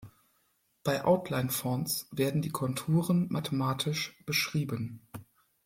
Bei Outline-Fonts werden die Konturen mathematisch beschrieben.